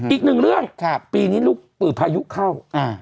อีกหนึ่งเรื่องปีนี้ลูกพายุเข้า